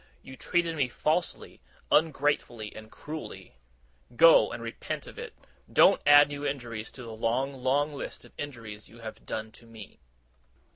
You treated me falsely, ungratefully, and cruelly. Go, and repent of it. Don't add new injuries to the long, long list of injuries you have done me!